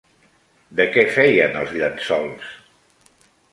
De què feien els llençols?